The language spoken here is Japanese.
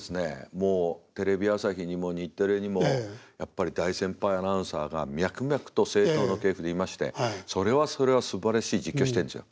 もうテレビ朝日にも日テレにもやっぱり大先輩アナウンサーが脈々と正統の系譜でいましてそれはそれはすばらしい実況してんですよ。